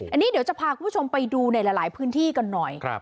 อันนี้เดี๋ยวจะพาคุณผู้ชมไปดูในหลายพื้นที่กันหน่อย